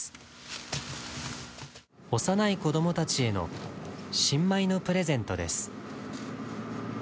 幼い子どもたちへの新米のプレゼントです。